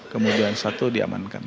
kemudian satu diamankan